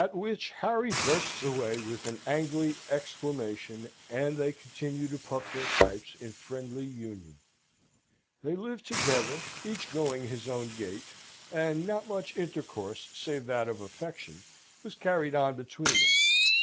At which Harry bursts away with an angry exclamation; and they continue to puff their pipes in friendly union. They lived together, each going his own gait; and not much intercourse, save that of affection, was carried on between them.